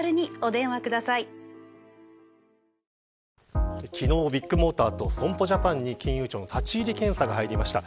花王昨日、ビッグモーターと損保ジャパンに金融庁の立ち入り検査が入りました。